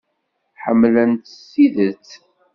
Ḥemmlen-t s tidet.